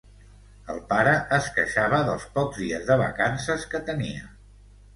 El pare es queixava dels pocs dies de vacances que tenia.